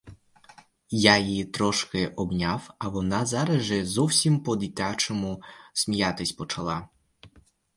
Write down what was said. Я її трошки обняв, а вона зараз же зовсім по-дитячому сміятись почала.